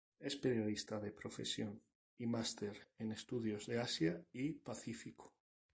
Es periodista de profesión y máster en Estudios de Asia y Pacífico.